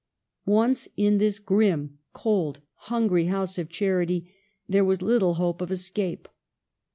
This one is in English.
Once in this grim, cold, hungry house of char ity, there was little hope of escape.